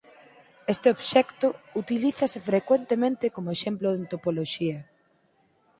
Este obxecto utilízase frecuentemente como exemplo en topoloxía.